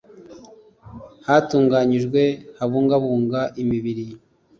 hatunganyijwe habungabungwa imibiri